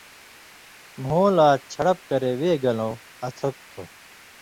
مھُو لا چھَڑَپ کرے وے گَلٶں اڅھَکوۡ تھُو۔